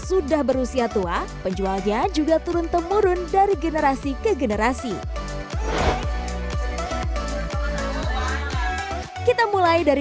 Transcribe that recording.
sudah berusia tua penjualnya juga turun temurun dari generasi ke generasi kita mulai dari